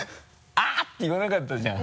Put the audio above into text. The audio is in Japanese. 「あっ！」て言わなかったじゃん